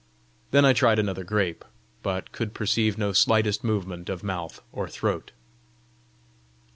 Then I tried another grape, but could perceive no slightest movement of mouth or throat.